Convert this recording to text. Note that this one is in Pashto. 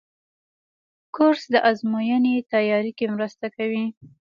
کورس د ازموینو تیاري کې مرسته کوي.